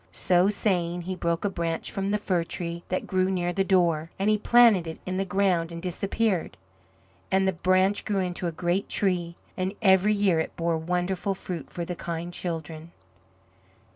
So saying, He broke a branch from the fir tree that grew near the door, and He planted it in the ground and disappeared. And the branch grew into a great tree, and every year it bore wonderful fruit for the kind children.